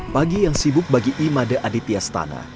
pagi yang sibuk bagi imade aditya stana